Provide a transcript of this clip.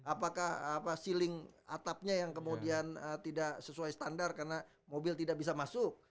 apakah sealing atapnya yang kemudian tidak sesuai standar karena mobil tidak bisa masuk